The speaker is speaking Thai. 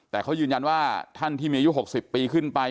แต่เขายืนยันว่าท่านที่มีอายุ๖๐ปีขึ้นไป